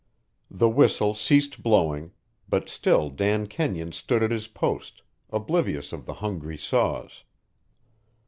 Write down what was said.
The whistle ceased blowing, but still Dan Kenyon stood at his post, oblivious of the hungry saws.